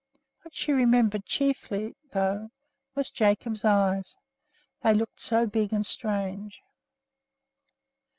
What she remembered chiefly, though, was Jacob's eyes, they looked so big and strange.